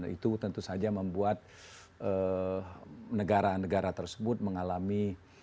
itu tentu saja membuat negara negara tersebut mengalami